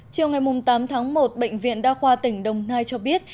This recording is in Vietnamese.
chiều ngày tám tháng một bệnh viện đa khoa tỉnh đồng nai cho biết